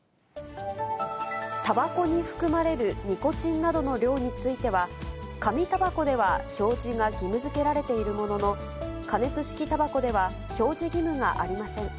たばこに含まれるニコチンなどの量については、紙たばこでは表示が義務づけられているものの、加熱式たばこでは表示義務がありません。